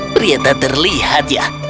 priyata terlihat ya